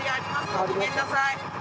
ごめんなさい。